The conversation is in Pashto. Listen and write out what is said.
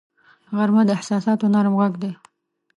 غرمه د احساساتو نرم غږ دی